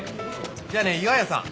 じゃあね岩屋さん。